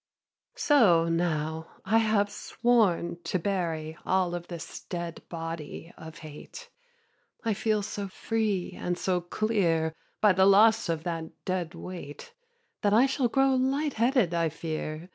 10. So now I have sworn to bury All this dead body of hate, I feel so free and so clear By the loss of that dead weight, That I should grow light headed, I fear.